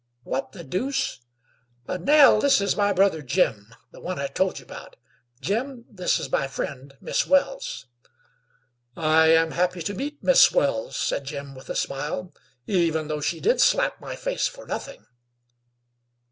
"What the deuce ? Nell, this is my brother Jim, the one I told you about. Jim, this is my friend, Miss Wells." "I am happy to meet Miss Wells," said Jim, with a smile, "even though she did slap my face for nothing."